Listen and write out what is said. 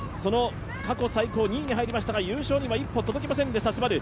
過去最高２位に入りましたが優勝には一歩届きませんでした、ＳＵＢＡＲＵ。